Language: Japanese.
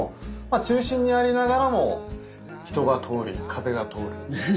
中心にありながらも人が通り風が通る。